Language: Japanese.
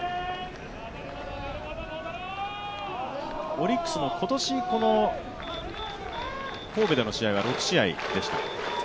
オリックスも今年、神戸での試合が６試合でした。